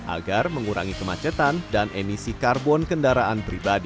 agar mengurangi kemacetan dan emisi karbon kendaraan pribadi